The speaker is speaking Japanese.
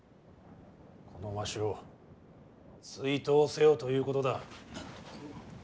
このわしを追討せよということだ。